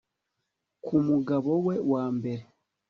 ku mugabo we wa mbere